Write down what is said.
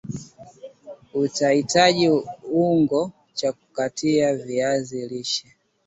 Utahitaji ungo cha kukatia viazi lishe